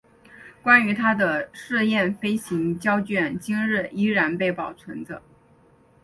关于他的试验飞行胶卷今日依然被保存着。